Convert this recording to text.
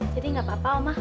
jadi gak apa apa oma